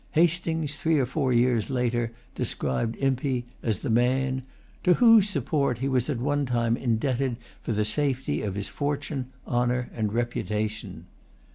Hastings, three or four years later, described Impey as the man "to whose support he was at one time indebted for the safety of his fortune, honor, and reputation."